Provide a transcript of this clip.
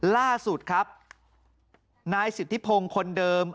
ล่าสุดครับนายสิทธิพงศ์คนเดิม